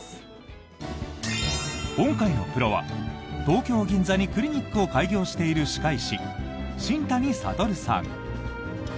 今回のプロは東京・銀座にクリニックを開業している歯科医師、新谷悟さん。